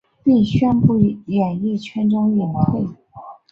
并宣布于演艺圈中隐退。